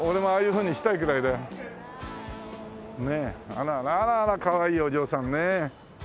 あららあらあらかわいいお嬢さんね。